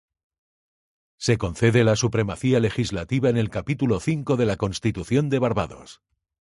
Se concede la supremacía legislativa en el Capítulo V de la Constitución de Barbados.